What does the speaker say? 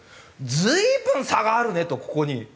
随分差があるねとここに。